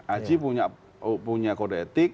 aji punya kode aet